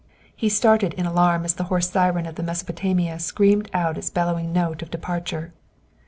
He started in alarm as the hoarse siren of the "Mesopotamia" screamed out its bellowing note of departure.